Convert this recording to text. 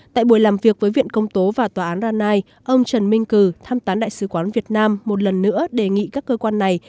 tại buổi làm việc với viện công tố và tòa án rani ông trần minh cử tham tán đại sứ quán việt nam một lần nữa đề nghị các cơ quan này